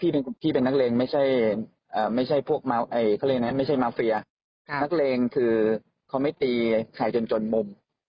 พี่เป็นนักเรงไม่ใช่พวกมาเฟียนักเรงคือเขาไม่ตีใครจนจนมม